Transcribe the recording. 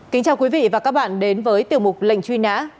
kính chào quý vị và các bạn đến với tiểu mục lệnh truy nã